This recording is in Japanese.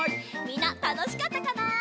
みんなたのしかったかな？